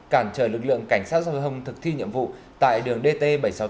cản trở lực lượng cảnh sát giao thông thực thi nhiệm vụ tại đường dt bảy trăm sáu mươi tám